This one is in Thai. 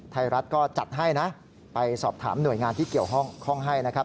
ไทยรัฐก็จัดให้นะไปสอบถามหน่วยงานที่เกี่ยวข้องให้นะครับ